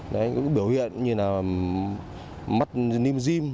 đấy cũng biểu hiện như là mắt niêm diêm